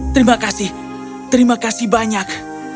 terima kasih terima kasih banyak